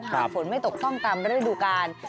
หากฝนไม่ตกต้องตามฤดูการ